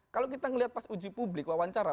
kalau kita melihat pas uji publik wawancara